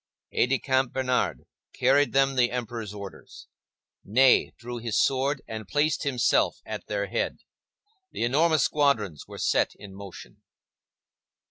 Aide de camp Bernard carried them the Emperor's orders. Ney drew his sword and placed himself at their head. The enormous squadrons were set in motion.